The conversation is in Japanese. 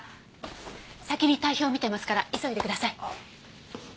先に体表を見てますから急いでください。